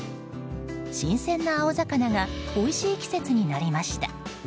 新鮮な青魚がおいしい季節になりました。